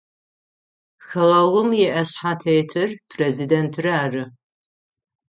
Хэгъэгум иӏэшъхьэтетыр президентыр ары.